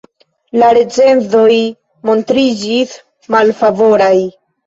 La recenzoj montriĝis malfavoraj.